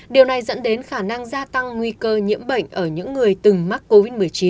điều này dẫn đến khả năng gia tăng nguy cơ nhiễm bệnh ở những người từng mắc covid một mươi chín